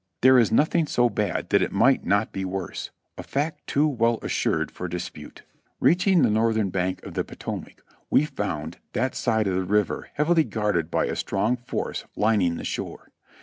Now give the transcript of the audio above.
There is nothing so bad that it might not be worse ; a fact too well assured for dispute. PAROI^ED 307 Reaching the northern bank of the Potomac we found that side of the river heavily guarded by a strong force Hning the shore.